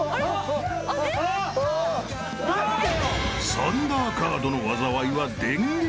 ［サンダーカードの災いは］